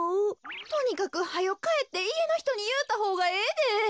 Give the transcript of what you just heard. とにかくはよかえっていえのひとにいうたほうがええで。